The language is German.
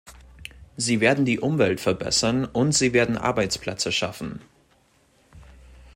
Sie werden die Umwelt verbessern, und sie werden Arbeitsplätze schaffen.